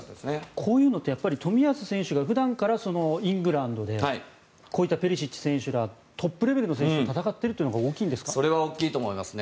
こういうのって冨安選手が普段からイングランドでこういったペリシッチ選手らトップレベルの選手とそれは大きいですね。